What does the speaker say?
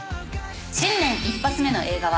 新年一発目の映画は。